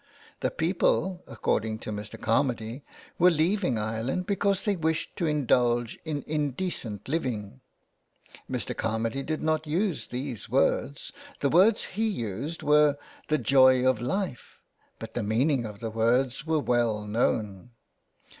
The people, according to Mr. Carmady, were leaving Ireland because they wished to indulge in indecent living. Mr. Carmady did not use these words ; the words he used were " The joy of life," but the meaning of the words were well known.